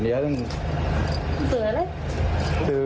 หลีกที่บ้าน